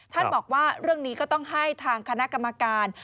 บอกว่าเรื่องนี้ก็ต้องให้ทางคณะกรรมการ